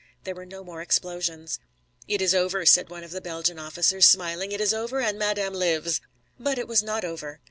There were no more explosions. "It is over," said one of the Belgian officers, smiling. "It is over, and madame lives!" But it was not over.